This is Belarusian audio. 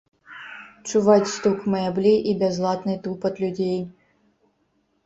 Чуваць стук мэблі і бязладны тупат людзей.